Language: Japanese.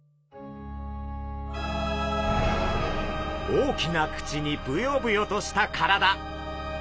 大きな口にブヨブヨとした体。